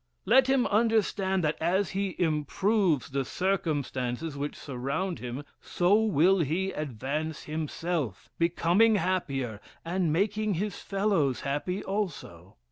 Let him understand that, as he improves the circumstances which surround him, so will he advance himself, becoming happier, and making his fellows happy also.